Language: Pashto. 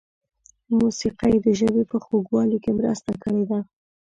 موسیقۍ د ژبې په خوږوالي کې مرسته کړې ده.